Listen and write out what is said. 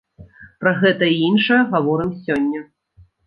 Пра гэта і іншае гаворым сёння.